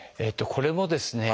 これもですね